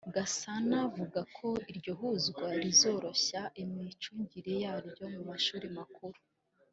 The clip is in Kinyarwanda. Gasana vuga ko iryo huzwa rizoroshya imicungire y’ayo mashuri makuru